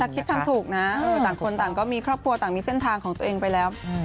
คิดทำถูกนะต่างคนต่างก็มีครอบครัวต่างมีเส้นทางของตัวเองไปแล้ว